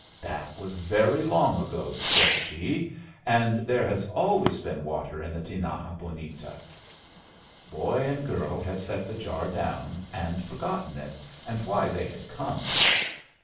"That was very long ago," said she, "and there has always been water in the Tinaja Bonita." Boy and girl had set the jar down, and forgotten it and why they had come.